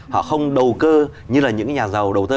họ không đầu cơ như là những nhà giàu đầu tư